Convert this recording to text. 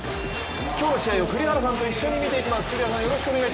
今日の試合を栗原さんと一緒に見ていきます。